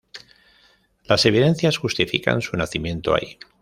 Las evidencias justifican su nacimiento ahí.